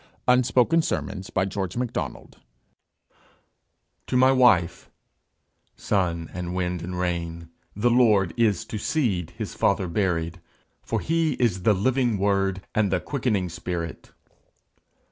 UNSPOKEN SERMONS SERIES THREE TO MY WIFE Sun and wind and rain, the Lord Is to seed his Father buried For he is the living Word, And the quickening Spirit.